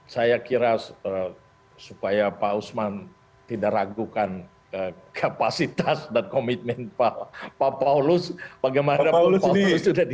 saya kira supaya pak usman tidak ragukan kapasitas dan komitmen pak paulus bagaimana pak paulus sudah dilatih